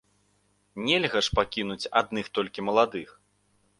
Нельга ж пакінуць адных толькі маладых.